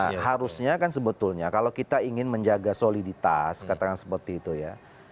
nah harusnya kan sebetulnya kalau kita ingin menjaga soliditas katakan seperti itu ya